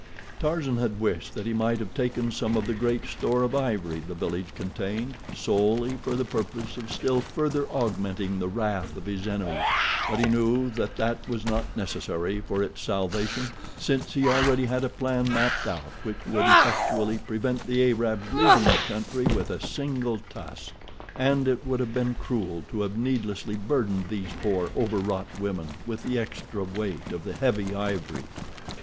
Tarzan had wished that he might have taken some of the great store of ivory the village contained, solely for the purpose of still further augmenting the wrath of his enemies; but he knew that that was not necessary for its salvation, since he already had a plan mapped out which would effectually prevent the Arabs leaving the country with a single tusk. And it would have been cruel to have needlessly burdened these poor, overwrought women with the extra weight of the heavy ivory.